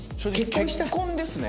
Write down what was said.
結婚ですね。